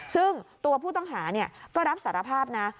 ซึ่งตัวผู้ต้องหาก็รับสารภาพนะ